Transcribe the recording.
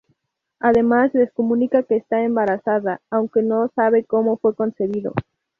Además les comunica que está embarazada, aunque no sabe cómo fue concebido.